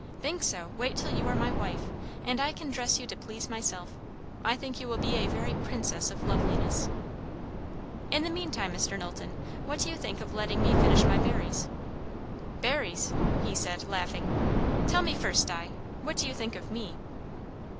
"Think so? Wait till you are my wife, and I can dress you to please myself. I think you will be a very princess of loveliness." "In the meantime, Mr. Knowlton, what do you think of letting me finish my berries?" "Berries?" he said, laughing. "Tell me first, Di, what do you think of me?"